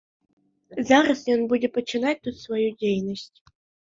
Зараз ён будзе пачынаць тут сваю дзейнасць.